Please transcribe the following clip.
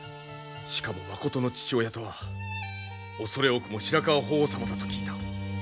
しかもまことの父親とは恐れ多くも白河法皇様だと聞いた。